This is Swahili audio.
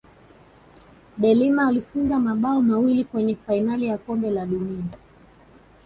deLima alifunga mabao mawili kwenye fainali ya kombe la dunia